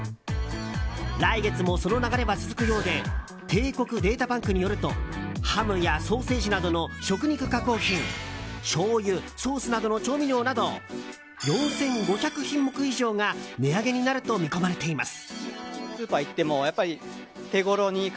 来月も、その流れは続くようで帝国データバンクによるとハムやソーセージなどの食肉加工品しょうゆ、ソースなどの調味料など４５００品目以上が値上げになると見込まれています。